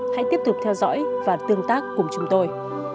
hãy tiếp tục theo dõi và tương tác cùng chúng tôi